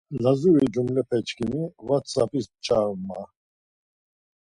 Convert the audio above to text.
Lazuri cumlepeçkimi whatsap̌is p̌ç̌arum ma.